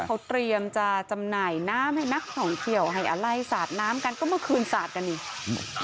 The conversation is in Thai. เขาเตรียมจะจำหน่ายน้ำให้นักท่องเที่ยวให้อะไรสาดน้ำกันก็เมื่อคืนสาดกันนี่อืม